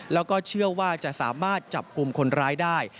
แล้วก็เชื่อว่าจะสามารถจับกลุ่มคนร้ายได้